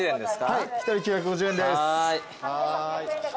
はい１人９５０円です。